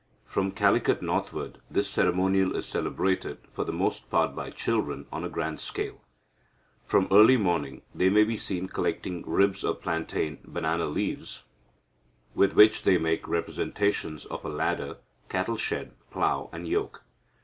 From Calicut northward, this ceremonial is celebrated, for the most part by children, on a grand scale. From early morning they may be seen collecting ribs of plantain (banana) leaves, with which they make representations of a ladder, cattle shed, plough, and yoke.